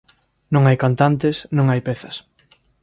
_Non hai cantantes, non hai pezas.